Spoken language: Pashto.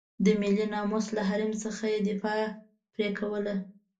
د ملي ناموس له حریم څخه یې دفاع پرې کوله.